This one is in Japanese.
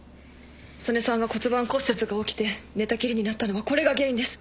曽根さんが骨盤骨折が起きて寝たきりになったのはこれが原因です。